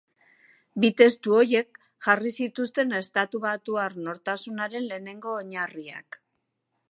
Bi testu horiek jarri zituzten estatubatuar nortasunaren lehenengo oinarriak.